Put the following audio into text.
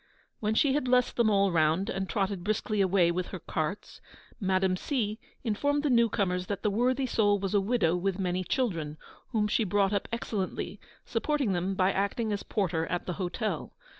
When she had blessed them all round, and trotted briskly away with her carts, Madame C. informed the new comers that the worthy soul was a widow with many children, whom she brought up excellently, supporting them by acting as porter at the hotel.